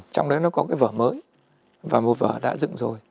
trong đấy nó có cái vở mới và một vở đã dựng rồi